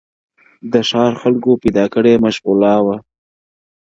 • د ښار خلکو پیدا کړې مشغولا وه -